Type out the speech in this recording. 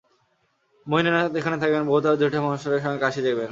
মহিন এখানে থাকিবেন, বউ তাঁহার জেঠামহারাজের সঙ্গে কাশী যাইবেন।